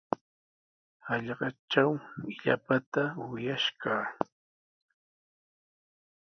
Hallqatraw illapata wiyash kaa.